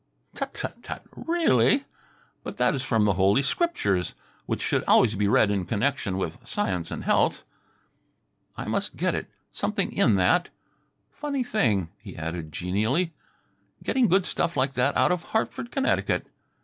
"Tut tut tut! Really? But that is from the Holy Scriptures, which should always be read in connection with Science and Health." "I must get it something in that. Funny thing," he added genially, "getting good stuff like that out of Hartford, Connecticut."